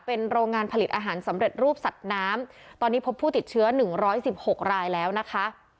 เป็นโรงงานผลิตอาหารสำเร็จรูปสัตว์น้ำตอนนี้พบผู้ติดเชื้อ๑๑๖รายแล้วนะคะ